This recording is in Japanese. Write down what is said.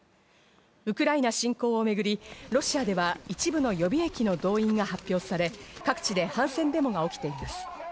ウクライナ侵攻をめぐり、ロシアでは１部の予備役の動員が発表され、各地で反戦デモが起きています。